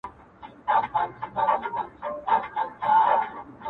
دواړي زامي یې له یخه رېږدېدلې -